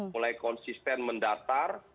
mulai konsisten mendatar